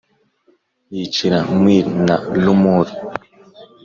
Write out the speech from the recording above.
yicira Mwiri na Rumuli.